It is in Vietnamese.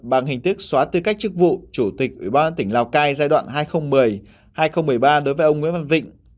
bằng hình thức xóa tư cách chức vụ chủ tịch ủy ban tỉnh lào cai giai đoạn hai nghìn một mươi hai nghìn một mươi ba đối với ông nguyễn văn vịnh